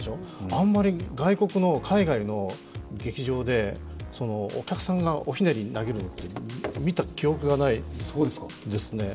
あんまり海外の劇場でお客さんがおひねり投げるのって、見た記憶がないですね。